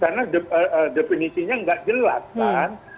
karena definisinya nggak jelas kan